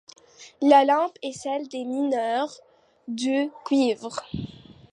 La lampe est celle des mineurs du cuivre.